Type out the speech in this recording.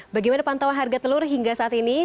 bagaimana pantauan harga telur hingga saat ini